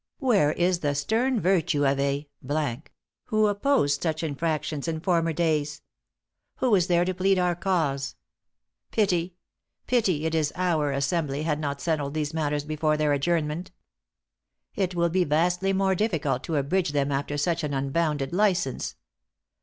Where is the stern virtue of a , who opposed such infractions, in former days? Who is there to plead our cause? Pity pity it is our Assembly had not settled these matters before their adjournment. It will be vastly more difficult to abridge them after such an unbounded license.